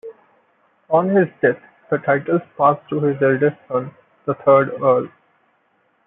On his death the titles passed to his eldest son, the third Earl.